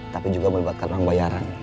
tapi juga melibatkan orang bayaran